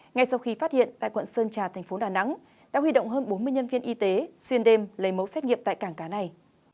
ngay sau khi phát hiện tại quận sơn trà thành phố đà nẵng đã huy động hơn bốn mươi nhân viên y tế xuyên đêm lấy mẫu xét nghiệm tại cảng cá này